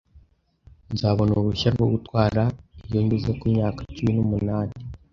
Nzabona uruhushya rwo gutwara iyo ngeze ku myaka cumi n'umunani.